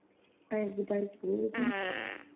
ایا زه باید ووځم؟